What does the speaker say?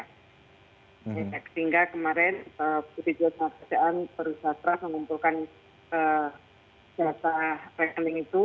sehingga kemarin bgjs naga kerjaan perusahaan mengumpulkan data rekening itu